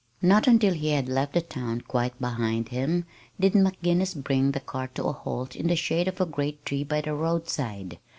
Not until he had left the town quite behind him did McGinnis bring the car to a halt in the shade of a great tree by the roadside.